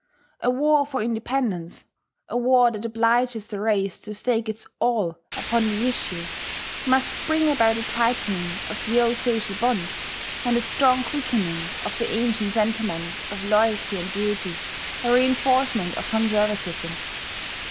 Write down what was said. A war for independence, a war that obliges the race to stake its all upon the issue, must bring about a tightening of the old social bonds, a strong quickening of the ancient sentiments of loyalty and duty, a reinforcement of conservatism.